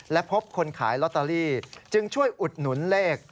และพบคนขายลอตเตอรี่จึงช่วยอุดหนุนเลข